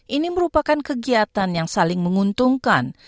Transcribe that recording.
ini merupakan kegiatan yang saling menguntungkan